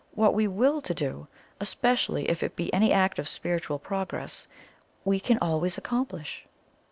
What we WILL to do, especially if it be any act of spiritual progress, we can always accomplish."